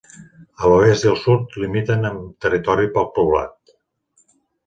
A l'oest i al sud limiten amb territori poc poblat.